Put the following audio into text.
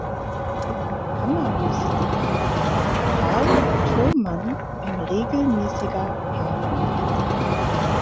In der Kammermusik war Karl Thomann ein regelmäßiger Partner.